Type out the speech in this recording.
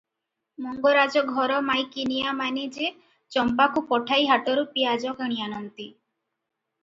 ମଙ୍ଗରାଜ ଘର ମାଇକିନିଆମାନେ ଯେ ଚମ୍ପାକୁ ପଠାଇ ହାଟରୁ ପିଆଜ କିଣି ଆଣନ୍ତି!